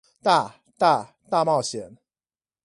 大、大、大冒險